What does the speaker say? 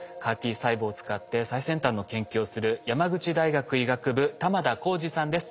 ＣＡＲ−Ｔ細胞を使って最先端の研究をする山口大学医学部玉田耕治さんです。